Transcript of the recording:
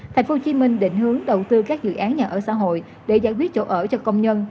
tp hcm định hướng đầu tư các dự án nhà ở xã hội để giải quyết chỗ ở cho công nhân